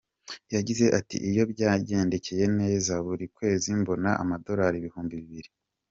Yagize ati “Iyo byangendekeye neza, buri kwezi mbona amadolari ibihumbi bibiri.